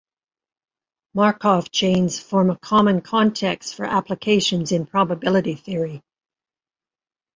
Markov chains form a common context for applications in probability theory.